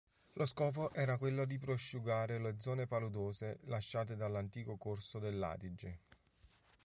Lo scopo era quello di prosciugare le zone paludose lasciate dall’antico corso dell’Adige.